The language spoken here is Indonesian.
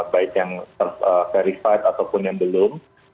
baik yang verified ataupun yang belum